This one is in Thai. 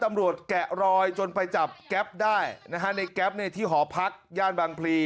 แกะรอยจนไปจับแก๊ปได้นะฮะในแก๊ปในที่หอพักย่านบางพลี